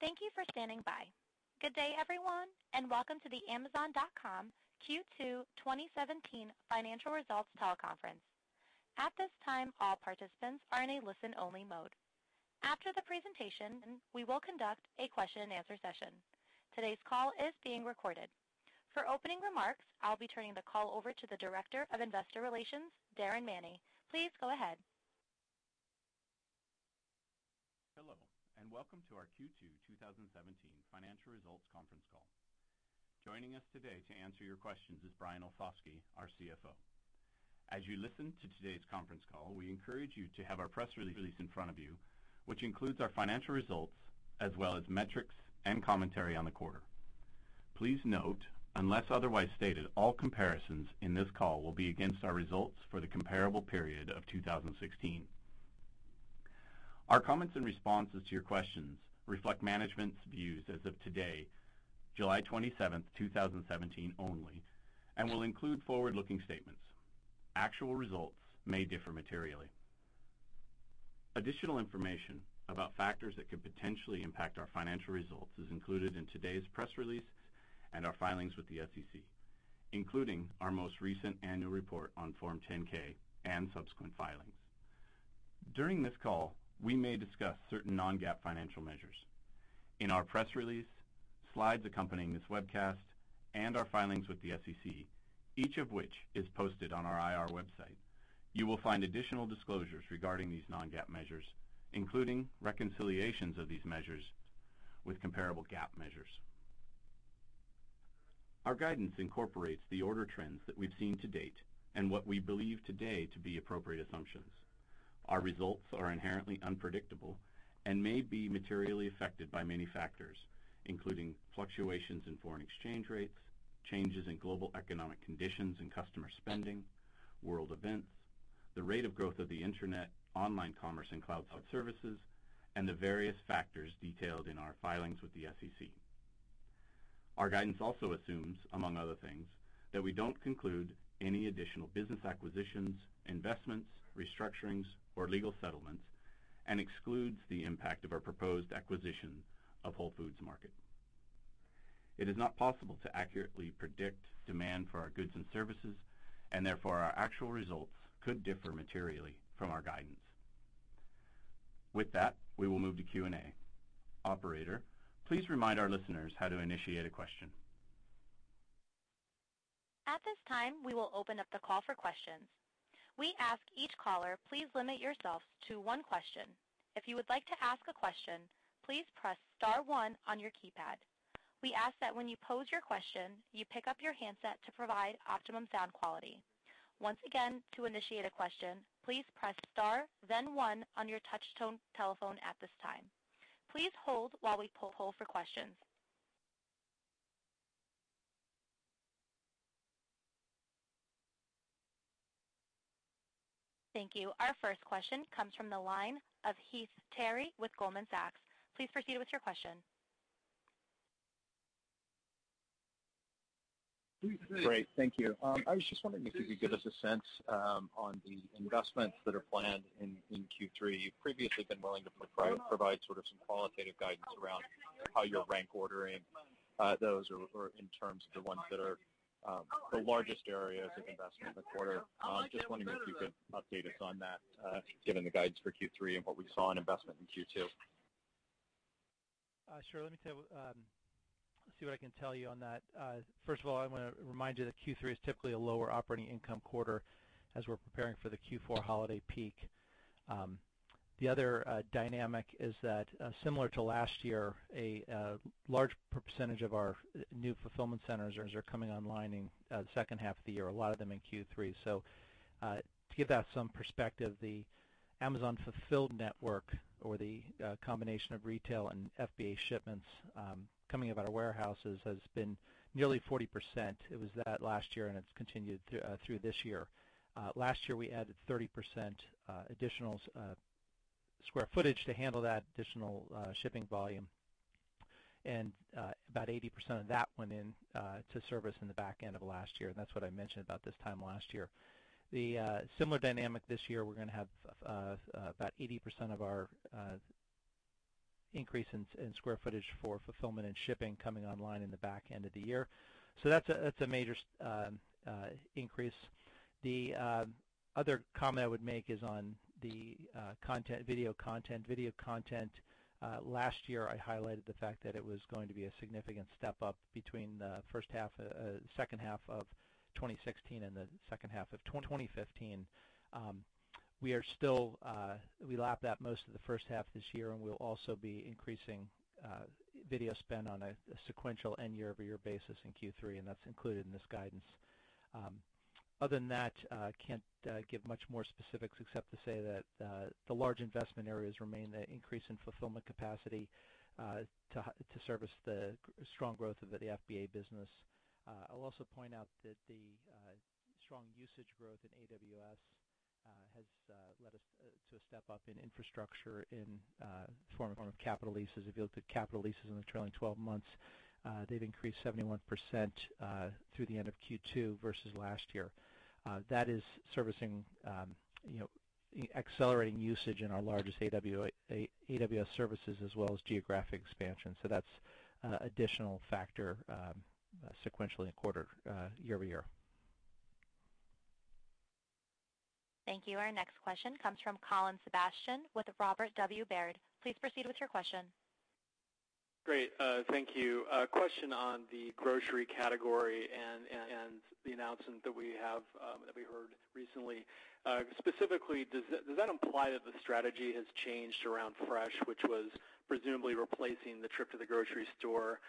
Thank you for standing by. Good day, everyone, and welcome to the Amazon.com Q2 2017 financial results teleconference. At this time, all participants are in a listen-only mode. After the presentation, we will conduct a question and answer session. Today's call is being recorded. For opening remarks, I'll be turning the call over to the Director of Investor Relations, Darin Manney. Please go ahead. Hello, welcome to our Q2 2017 financial results conference call. Joining us today to answer your questions is Brian Olsavsky, our CFO. As you listen to today's conference call, we encourage you to have our press release in front of you, which includes our financial results as well as metrics and commentary on the quarter. Please note, unless otherwise stated, all comparisons in this call will be against our results for the comparable period of 2016. Our comments and responses to your questions reflect management's views as of today, July 27th, 2017, only, and will include forward-looking statements. Actual results may differ materially. Additional information about factors that could potentially impact our financial results is included in today's press release and our filings with the SEC, including our most recent annual report on Form 10-K and subsequent filings. During this call, we may discuss certain non-GAAP financial measures. In our press release, slides accompanying this webcast, and our filings with the SEC, each of which is posted on our IR website, you will find additional disclosures regarding these non-GAAP measures, including reconciliations of these measures with comparable GAAP measures. Our guidance incorporates the order trends that we've seen to date and what we believe today to be appropriate assumptions. Our results are inherently unpredictable and may be materially affected by many factors, including fluctuations in foreign exchange rates, changes in global economic conditions and customer spending, world events, the rate of growth of the internet, online commerce and cloud services, and the various factors detailed in our filings with the SEC. Our guidance also assumes, among other things, that we don't conclude any additional business acquisitions, investments, restructurings, or legal settlements, and excludes the impact of our proposed acquisition of Whole Foods Market. It is not possible to accurately predict demand for our goods and services, therefore our actual results could differ materially from our guidance. With that, we will move to Q&A. Operator, please remind our listeners how to initiate a question. At this time, we will open up the call for questions. We ask each caller, please limit yourself to one question. If you would like to ask a question, please press star one on your keypad. We ask that when you pose your question, you pick up your handset to provide optimum sound quality. Once again, to initiate a question, please press star, then one on your touch tone telephone at this time. Please hold while we put hold for questions. Thank you. Our first question comes from the line of Heath Terry with Goldman Sachs. Please proceed with your question. Great. Thank you. I was just wondering if you could give us a sense on the investments that are planned in Q3. You've previously been willing to provide sort of some qualitative guidance around how you're rank ordering those or in terms of the ones that are the largest areas of investment in the quarter. Just wondering if you could update us on that given the guidance for Q3 and what we saw in investment in Q2. Sure. Let me see what I can tell you on that. First of all, I want to remind you that Q3 is typically a lower operating income quarter as we're preparing for the Q4 holiday peak. The other dynamic is that, similar to last year, a large percentage of our new fulfillment centers are coming online in the second half of the year, a lot of them in Q3. To give that some perspective, the Amazon fulfilled network or the combination of retail and FBA shipments coming out of our warehouses has been nearly 40%. It was that last year, and it's continued through this year. Last year, we added 30% additional square footage to handle that additional shipping volume, and about 80% of that went in to service in the back end of last year. That's what I mentioned about this time last year. The similar dynamic this year, we're going to have about 80% of our increase in square footage for fulfillment and shipping coming online in the back end of the year. That's a major increase. The other comment I would make is on the video content. Video content, last year, I highlighted the fact that it was going to be a significant step up between the second half of 2016 and the second half of 2015. We lapped that most of the first half this year, and we'll also be increasing video spend on a sequential and year-over-year basis in Q3, and that's included in this guidance. Other than that, can't give much more specifics except to say that the large investment areas remain the increase in fulfillment capacity to service the strong growth of the FBA business. I'll also point out that the strong usage growth in AWS has led us to a step up in infrastructure in Form of capital leases. If you look at capital leases in the trailing 12 months, they've increased 71% through the end of Q2 versus last year. That is servicing, accelerating usage in our largest AWS services, as well as geographic expansion. That's additional factor sequentially in quarter year-over-year. Thank you. Our next question comes from Colin Sebastian with Robert W. Baird. Please proceed with your question. Great. Thank you. A question on the grocery category and the announcement that we heard recently. Specifically, does that imply that the strategy has changed around Fresh, which was presumably replacing the trip to the grocery store?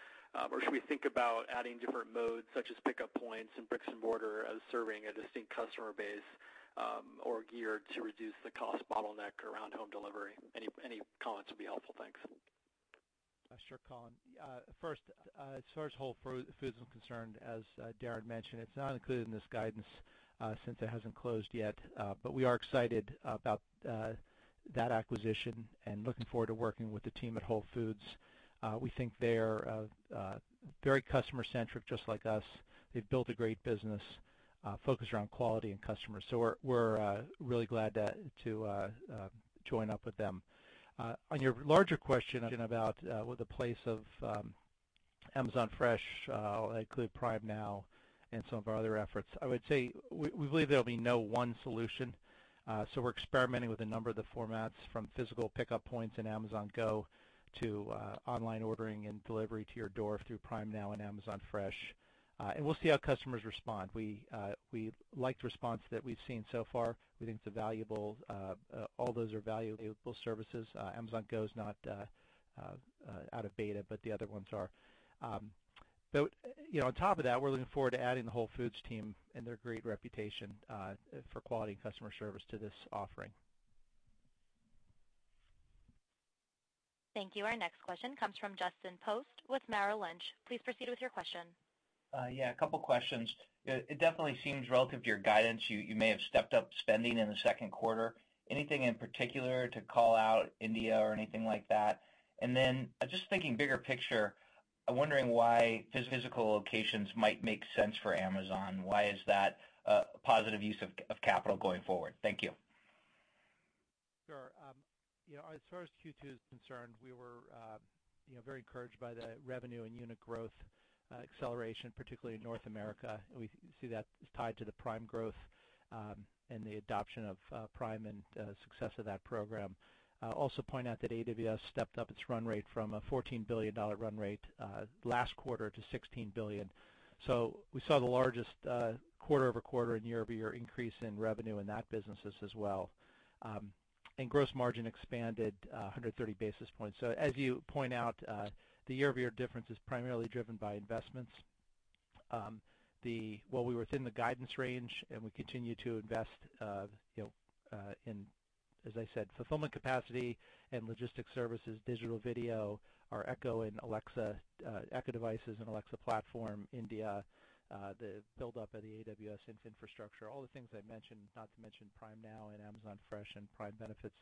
Should we think about adding different modes, such as pickup points and bricks and mortar as serving a distinct customer base, or geared to reduce the cost bottleneck around home delivery? Any comments would be helpful. Thanks. Sure, Colin. First, as far as Whole Foods is concerned, as Darin mentioned, it's not included in this guidance, since it hasn't closed yet. We are excited about that acquisition and looking forward to working with the team at Whole Foods. We think they are very customer-centric, just like us. They've built a great business focused around quality and customers. We're really glad to join up with them. On your larger question about the place of Amazon Fresh, I'll include Prime Now and some of our other efforts. I would say, we believe there'll be no one solution. We're experimenting with a number of the formats, from physical pickup points in Amazon Go, to online ordering and delivery to your door through Prime Now and Amazon Fresh, and we'll see how customers respond. We liked the response that we've seen so far. We think all those are valuable services. Amazon Go is not out of beta, but the other ones are. On top of that, we're looking forward to adding the Whole Foods team and their great reputation for quality and customer service to this offering. Thank you. Our next question comes from Justin Post with Merrill Lynch. Please proceed with your question. Yeah, a couple questions. It definitely seems relative to your guidance, you may have stepped up spending in the second quarter. Anything in particular to call out India or anything like that? Just thinking bigger picture, I'm wondering why physical locations might make sense for Amazon. Why is that a positive use of capital going forward? Thank you. Sure. As far as Q2 is concerned, we were very encouraged by the revenue and unit growth acceleration, particularly in North America. We see that as tied to the Prime growth, and the adoption of Prime and success of that program. We saw the largest quarter-over-quarter and year-over-year increase in revenue in that businesses as well. Gross margin expanded 130 basis points. As you point out, the year-over-year difference is primarily driven by investments. While we were within the guidance range and we continue to invest, in, as I said, fulfillment capacity and logistic services, digital video, our Echo and Alexa, Echo devices and Alexa platform, India, the buildup of the AWS infrastructure, all the things I mentioned, not to mention Prime Now and Amazon Fresh and Prime benefits.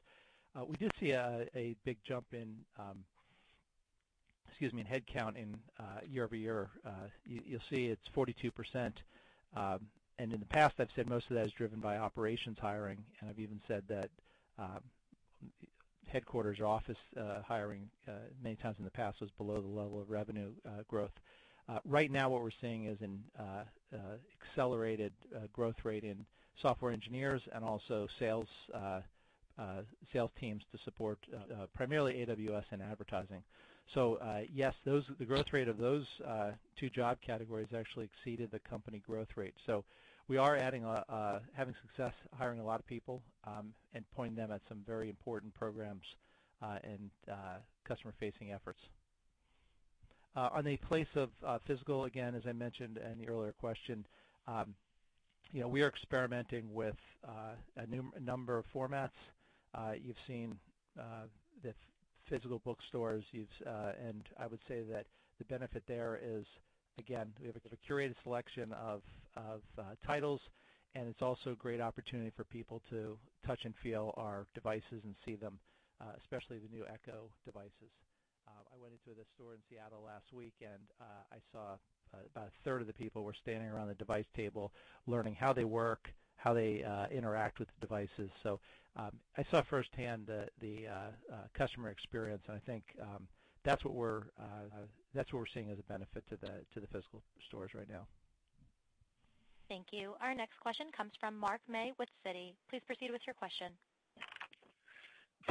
We did see a big jump in, excuse me, in headcount in year-over-year. You'll see it's 42%. In the past, I've said most of that is driven by operations hiring, and I've even said that headquarters office hiring many times in the past was below the level of revenue growth. Right now what we're seeing is an accelerated growth rate in software engineers and also sales teams to support primarily AWS and advertising. Yes, the growth rate of those two job categories actually exceeded the company growth rate. We are having success hiring a lot of people, and pointing them at some very important programs, and customer-facing efforts. On the place of physical, again, as I mentioned in the earlier question, we are experimenting with a number of formats. You've seen the physical bookstores, and I would say that the benefit there is, again, we have a sort of curated selection of titles, and it's also a great opportunity for people to touch and feel our devices and see them, especially the new Echo devices. I went into the store in Seattle last week, and I saw about a third of the people were standing around the device table learning how they work, how they interact with the devices. I saw firsthand the customer experience, and I think that's what we're seeing as a benefit to the physical stores right now. Thank you. Our next question comes from Mark May with Citi. Please proceed with your question.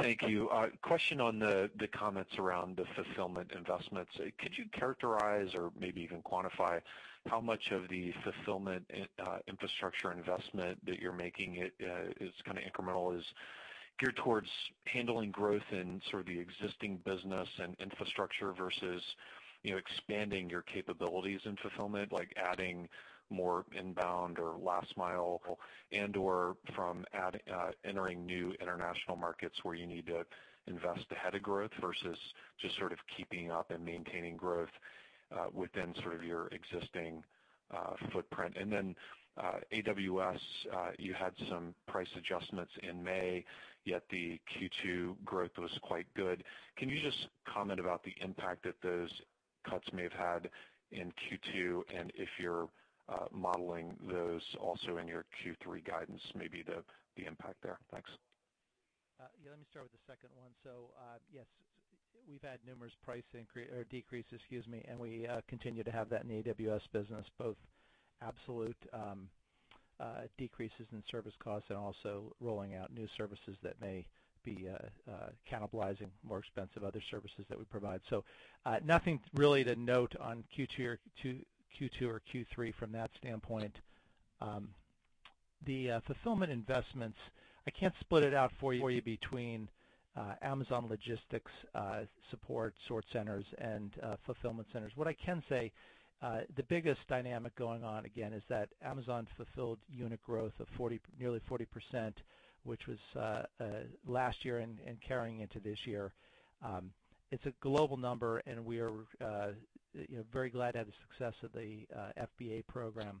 Thank you. A question on the comments around the fulfillment investments. Could you characterize or maybe even quantify how much of the fulfillment infrastructure investment that you're making is kind of incremental, is geared towards handling growth in sort of the existing business and infrastructure versus expanding your capabilities in fulfillment, like adding more inbound or last mile, and/or from entering new international markets where you need to invest ahead of growth versus just sort of keeping up and maintaining growth within sort of your existing footprint? AWS, you had some price adjustments in May, yet the Q2 growth was quite good. Can you just comment about the impact that those cuts may have had in Q2, and if you're modeling those also in your Q3 guidance, maybe the impact there. Thanks. Yeah, let me start with the second one. Yes. We've had numerous price decreases, excuse me, and we continue to have that in the AWS business, both absolute decreases in service costs and also rolling out new services that may be cannibalizing more expensive other services that we provide. Nothing really to note on Q2 or Q3 from that standpoint. The fulfillment investments, I can't split it out for you between Amazon Logistics support sort centers and fulfillment centers. What I can say, the biggest dynamic going on, again, is that Amazon fulfilled unit growth of nearly 40%, which was last year and carrying into this year. It's a global number, and we are very glad to have the success of the FBA program.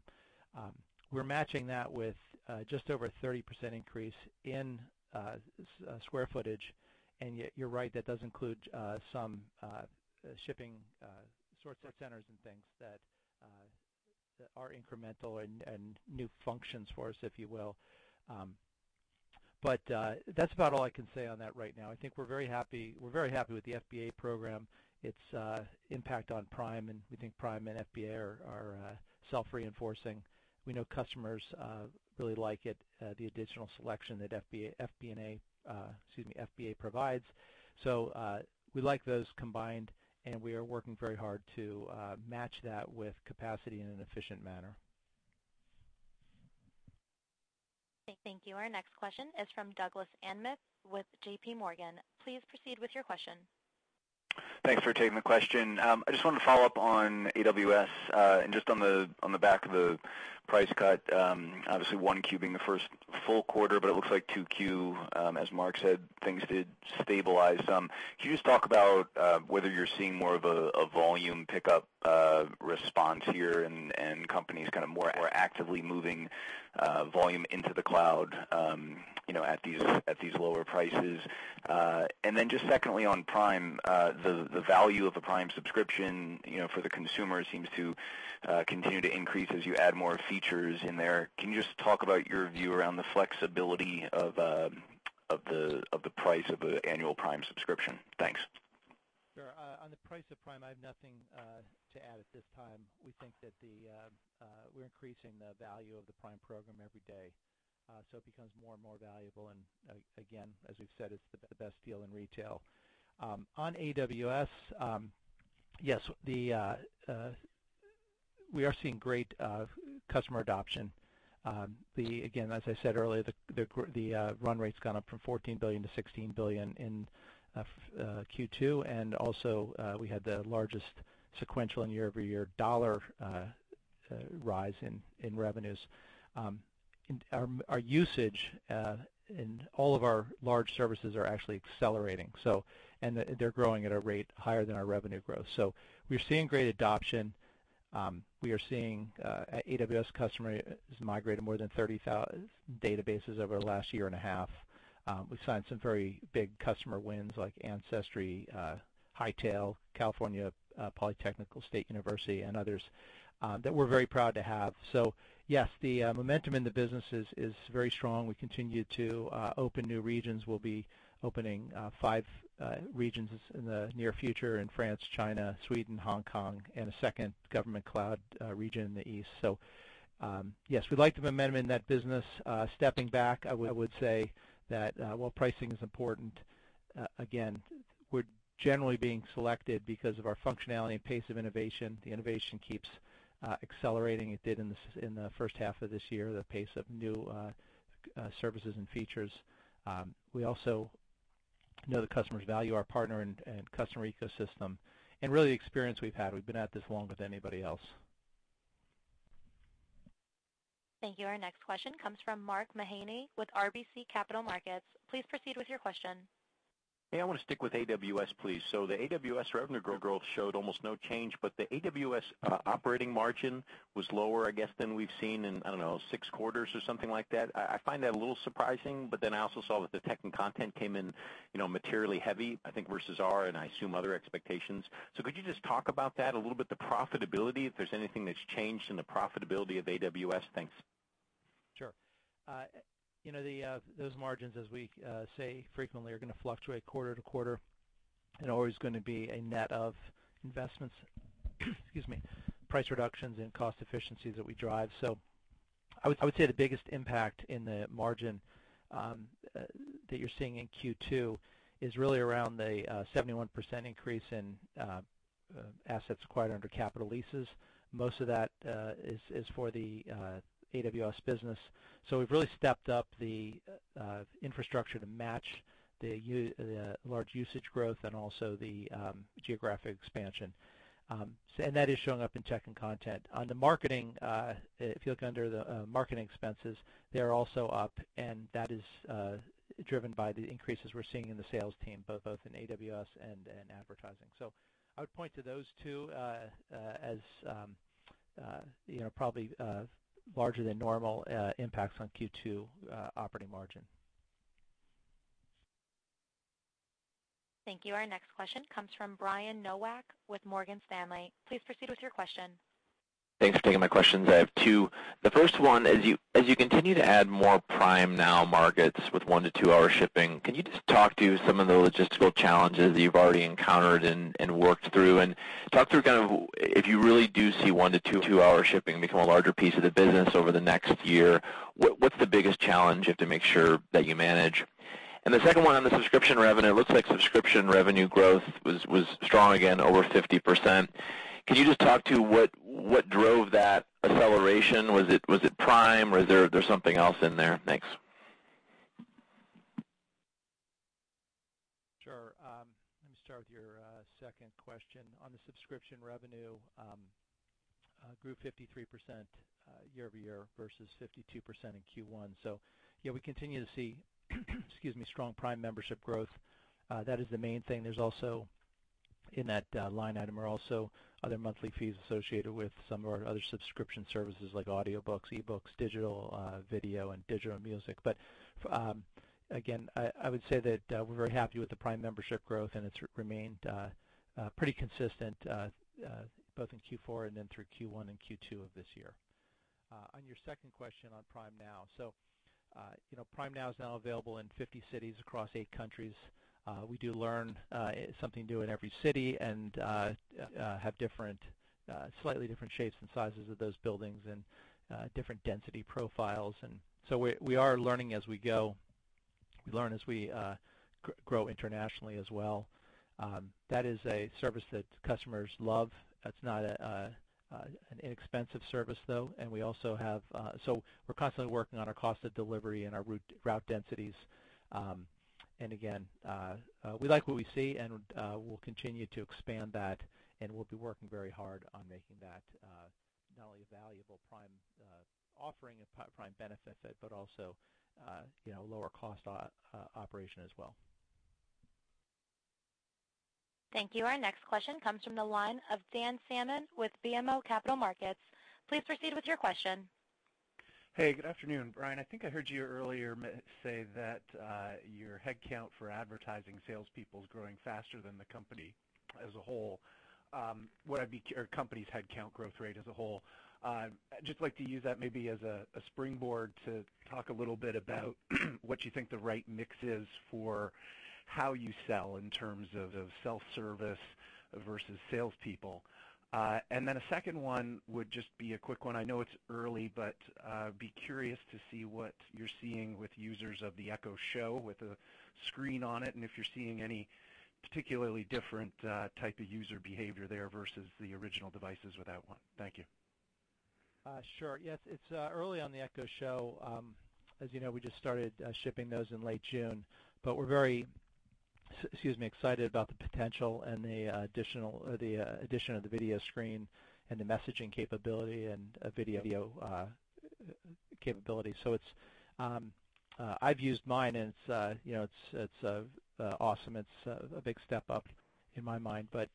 We're matching that with just over a 30% increase in square footage. You're right, that does include some shipping sort centers and things that are incremental and new functions for us, if you will. That's about all I can say on that right now. I think we're very happy with the FBA program, its impact on Prime, and we think Prime and FBA are self-reinforcing. We know customers really like it, the additional selection that FBA provides. We like those combined, and we are working very hard to match that with capacity in an efficient manner. Thank you. Our next question is from Doug Anmuth with J.P. Morgan. Please proceed with your question. Thanks for taking the question. I just wanted to follow up on AWS, just on the back of the price cut, obviously one Q being the first full quarter, but it looks like two Q, as Mark said, things did stabilize some. Can you just talk about whether you're seeing more of a volume pickup response here and companies more actively moving volume into the cloud at these lower prices? Secondly, on Prime, the value of a Prime subscription for the consumer seems to continue to increase as you add more features in there. Can you just talk about your view around the flexibility of the price of an annual Prime subscription? Thanks. Sure. On the price of Prime, I have nothing to add at this time. We think that we're increasing the value of the Prime program every day, so it becomes more and more valuable. Again, as we've said, it's the best deal in retail. On AWS, yes, we are seeing great customer adoption. Again, as I said earlier, the run rate's gone up from $14 billion to $16 billion in Q2, also, we had the largest sequential and year-over-year dollar rise in revenues. Our usage in all of our large services are actually accelerating, and they're growing at a rate higher than our revenue growth. We're seeing great adoption. We are seeing AWS customers migrated more than 30,000 databases over the last year and a half. We've signed some very big customer wins, like Ancestry, Hightail, California Polytechnic State University, and others that we're very proud to have. Yes, the momentum in the business is very strong. We continue to open new regions. We'll be opening five regions in the near future in France, China, Sweden, Hong Kong, and a second government cloud region in the East. Yes, we like the momentum in that business. Stepping back, I would say that while pricing is important, again, we're generally being selected because of our functionality and pace of innovation. The innovation keeps accelerating. It did in the first half of this year, the pace of new services and features. We also know the customers value our partner and customer ecosystem, and really, the experience we've had. We've been at this longer than anybody else. Thank you. Our next question comes from Mark Mahaney with RBC Capital Markets. Please proceed with your question. Hey, I want to stick with AWS, please. The AWS revenue growth showed almost no change. The AWS operating margin was lower, I guess, than we've seen in, I don't know, six quarters or something like that. I find that a little surprising. I also saw that the tech and content came in materially heavy, I think, versus our, and I assume other expectations. Could you just talk about that a little bit, the profitability, if there's anything that's changed in the profitability of AWS? Thanks. Sure. Those margins, as we say frequently, are going to fluctuate quarter to quarter and always going to be a net of investments, excuse me, price reductions, and cost efficiencies that we drive. I would say the biggest impact in the margin that you're seeing in Q2 is really around the 71% increase in assets acquired under capital leases. Most of that is for the AWS business. We've really stepped up the infrastructure to match the large usage growth and also the geographic expansion. That is showing up in tech and content. On the marketing, if you look under the marketing expenses, they're also up, and that is driven by the increases we're seeing in the sales team, both in AWS and in advertising. I would point to those two as probably larger than normal impacts on Q2 operating margin. Thank you. Our next question comes from Brian Nowak with Morgan Stanley. Please proceed with your question. Thanks for taking my questions. I have two. The first one, as you continue to add more Prime Now markets with one to two-hour shipping, can you just talk to some of the logistical challenges that you've already encountered and worked through? Talk through if you really do see one to two-hour shipping become a larger piece of the business over the next year, what's the biggest challenge you have to make sure that you manage? The second one on the subscription revenue, it looks like subscription revenue growth was strong again, over 50%. Can you just talk to what drove that acceleration? Was it Prime, or is there something else in there? Thanks. Sure. Let me start with your second question. On the subscription revenue, grew 53% year-over-year versus 52% in Q1. Yeah, we continue to see strong Prime membership growth. That is the main thing. In that line item are also other monthly fees associated with some of our other subscription services like audiobooks, e-books, digital video, and digital music. Again, I would say that we're very happy with the Prime membership growth, and it's remained pretty consistent, both in Q4 and then through Q1 and Q2 of this year. On your second question on Prime Now. Prime Now is now available in 50 cities across eight countries. We do learn something new in every city, and have slightly different shapes and sizes of those buildings and different density profiles. We are learning as we go. We learn as we grow internationally as well. That is a service that customers love. That's not an inexpensive service, though. We're constantly working on our cost of delivery and our route densities. Again, we like what we see, and we'll continue to expand that, and we'll be working very hard on making that not only a valuable Prime offering, a Prime benefit, but also a lower cost operation as well. Thank you. Our next question comes from the line of Dan Salmon with BMO Capital Markets. Please proceed with your question. Hey, good afternoon. Brian, I think I heard you earlier say that your head count for advertising salespeople is growing faster than the company as a whole, or company's head count growth rate as a whole. I'd just like to use that maybe as a springboard to talk a little bit about what you think the right mix is for how you sell, in terms of self-service versus salespeople. Then a second one would just be a quick one. I know it's early, but be curious to see what you're seeing with users of the Echo Show with a screen on it, and if you're seeing any particularly different type of user behavior there versus the original devices without one. Thank you. Sure. Yes, it's early on the Echo Show. As you know, we just started shipping those in late June, but we're very excited about the potential and the addition of the video screen and the messaging capability and video capability. So I've used mine, and it's awesome. It's a big step up in my mind. But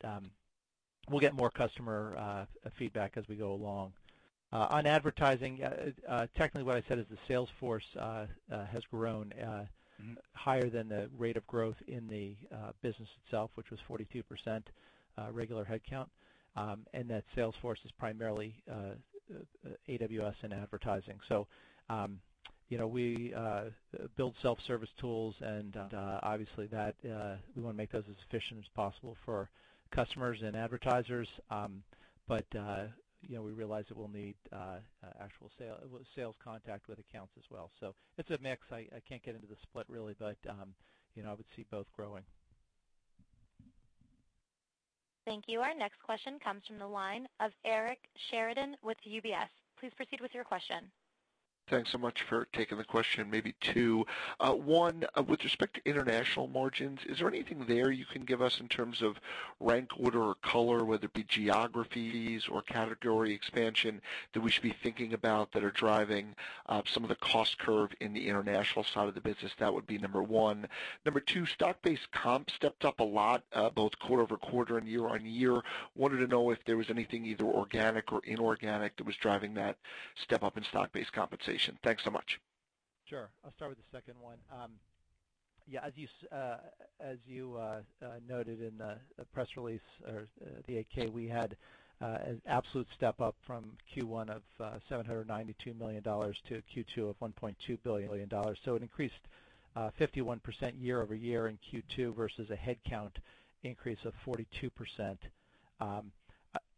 we'll get more customer feedback as we go along. On advertising, technically what I said is the sales force has grown- higher than the rate of growth in the business itself, which was 42% regular head count. That sales force is primarily AWS and advertising. We build self-service tools, and obviously we want to make those as efficient as possible for customers and advertisers. We realize that we'll need actual sales contact with accounts as well. It's a mix. I can't get into the split really, but, I would see both growing. Thank you. Our next question comes from the line of Eric Sheridan with UBS. Please proceed with your question. Thanks so much for taking the question. Maybe two. One, with respect to international margins, is there anything there you can give us in terms of rank order or color, whether it be geographies or category expansion, that we should be thinking about that are driving some of the cost curve in the international side of the business? That would be number 1. Number 2, stock-based comp stepped up a lot, both quarter-over-quarter and year-on-year. Wanted to know if there was anything either organic or inorganic that was driving that step up in stock-based compensation. Thanks so much. Sure. I'll start with the second one. As you noted in the press release or the 8-K, we had an absolute step up from Q1 of $792 million to Q2 of $1.2 billion. It increased 51% year-over-year in Q2 versus a head count increase of 42%. I'll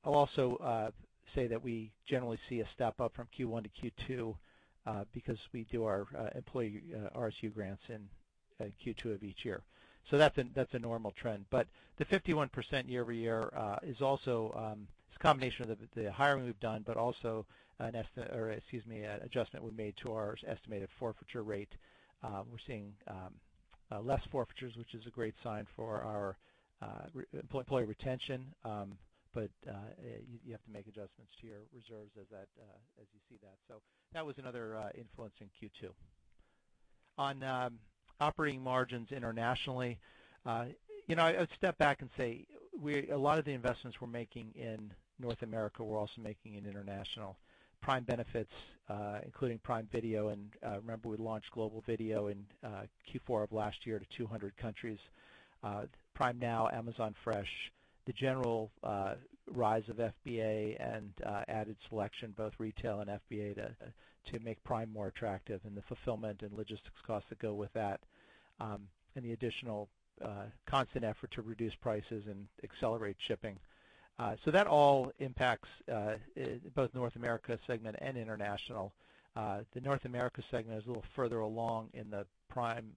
also say that we generally see a step up from Q1 to Q2 because we do our employee RSU grants in Q2 of each year. That's a normal trend. The 51% year-over-year is also a combination of the hiring we've done, but also an adjustment we made to our estimated forfeiture rate. We're seeing less forfeitures, which is a great sign for our employee retention, but you have to make adjustments to your reserves as you see that. That was another influence in Q2. On operating margins internationally I would step back and say a lot of the investments we're making in North America, we're also making in international. Prime benefits including Prime Video, and remember we launched global video in Q4 of last year to 200 countries. Prime Now, Amazon Fresh, the general rise of FBA and added selection, both retail and FBA, to make Prime more attractive, and the fulfillment and logistics costs that go with that, and the additional constant effort to reduce prices and accelerate shipping. That all impacts both North America segment and international. The North America segment is a little further along in the Prime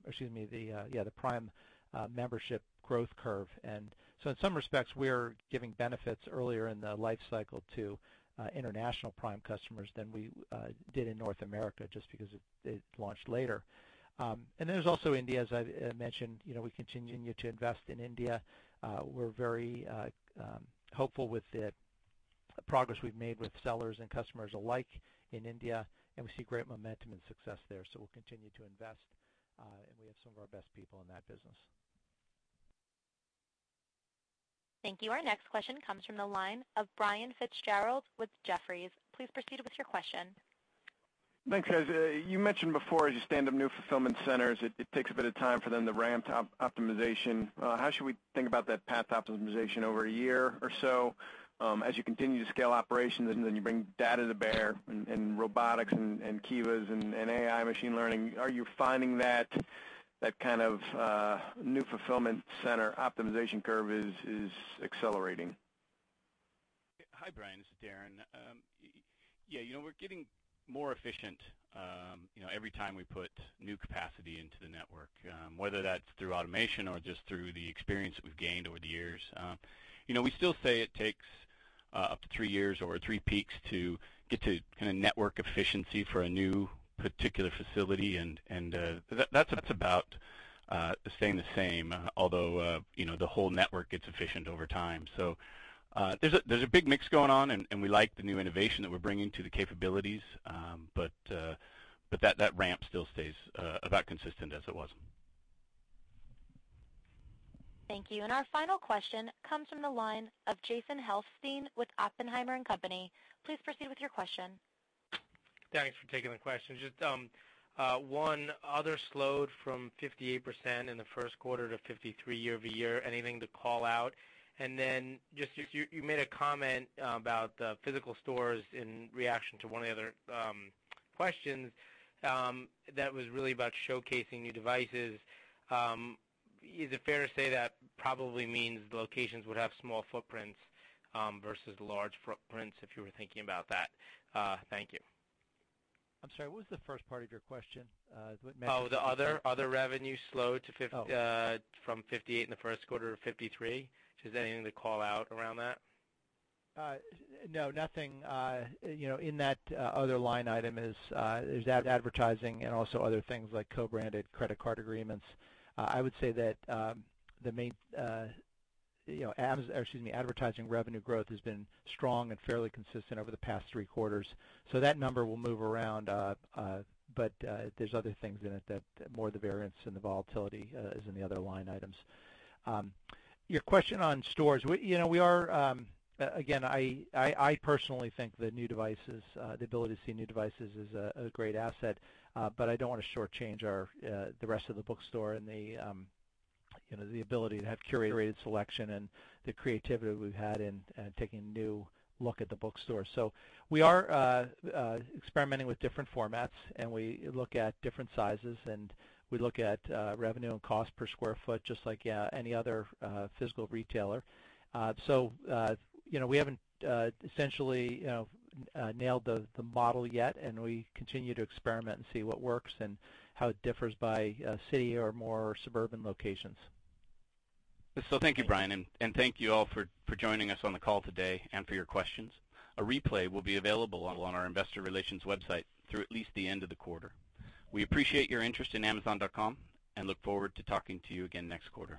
membership growth curve. In some respects we're giving benefits earlier in the life cycle to international Prime customers than we did in North America just because it launched later. There's also India, as I mentioned, we continue to invest in India. We're very hopeful with the progress we've made with sellers and customers alike in India, and we see great momentum and success there. We'll continue to invest, and we have some of our best people in that business. Thank you. Our next question comes from the line of Brian Fitzgerald with Jefferies. Please proceed with your question. Thanks, guys. You mentioned before, as you stand up new fulfillment centers, it takes a bit of time for them to ramp up optimization. How should we think about that path to optimization over a year or so as you continue to scale operations, then you bring data to bear in robotics and Kiva and AI machine learning? Are you finding that kind of new fulfillment center optimization curve is accelerating? Hi, Brian, this is Darin. Yeah, we're getting more efficient every time we put new capacity into the network, whether that's through automation or just through the experience that we've gained over the years. We still say it takes up to three years or three peaks to get to network efficiency for a new particular facility, and that's about staying the same. Although the whole network gets efficient over time. There's a big mix going on, and we like the new innovation that we're bringing to the capabilities. That ramp still stays about consistent as it was. Thank you. Our final question comes from the line of Jason Helfstein with Oppenheimer & Co. Please proceed with your question. Thanks for taking the question. Just one, other slowed from 58% in the first quarter to 53% year-over-year. Anything to call out? Just you made a comment about the physical stores in reaction to one of the other questions that was really about showcasing new devices. Is it fair to say that probably means the locations would have small footprints versus large footprints if you were thinking about that? Thank you. I'm sorry, what was the first part of your question? Oh, the other revenue slowed from 58% in the first quarter to 53%. Just anything to call out around that? No, nothing. In that other line item is advertising and also other things like co-branded credit card agreements. I would say that the advertising revenue growth has been strong and fairly consistent over the past three quarters. That number will move around, but there's other things in it that more the variance and the volatility is in the other line items. Your question on stores. Again, I personally think the ability to see new devices is a great asset. I don't want to shortchange the rest of the bookstore and the ability to have curated selection and the creativity we've had in taking a new look at the bookstore. We are experimenting with different formats, and we look at different sizes, and we look at revenue and cost per square foot just like any other physical retailer. We haven't essentially nailed the model yet, and we continue to experiment and see what works and how it differs by city or more suburban locations. Thank you, Brian, and thank you all for joining us on the call today and for your questions. A replay will be available on our investor relations website through at least the end of the quarter. We appreciate your interest in amazon.com and look forward to talking to you again next quarter.